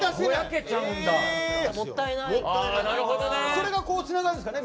それがこうつながるんですかね